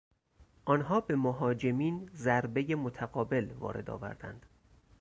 آنها به مهاجمین ضربهی متقابل وارد آوردند.